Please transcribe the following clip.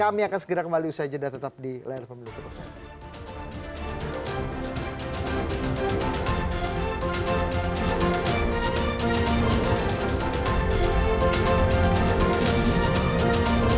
kami akan segera kembali usai jeda tetap di laila pemilu tepuk tahan